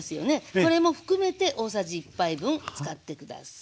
これも含めて大さじ１杯分使って下さい。